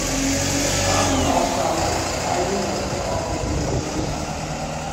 Er sprach von Ausgaben für die Verteidigung und von Aufwendungen für die Rüstung.